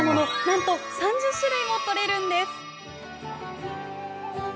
なんと３０種類も取れるんです。